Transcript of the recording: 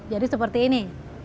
jadi seperti ini